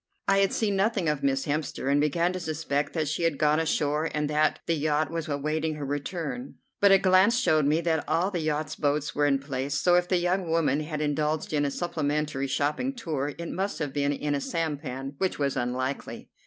I had seen nothing of Miss Hemster, and began to suspect that she had gone ashore and that the yacht was awaiting her return; but a glance showed me that all the yacht's boats were in place, so if the young woman had indulged in a supplementary shopping tour it must have been in a sampan, which was unlikely.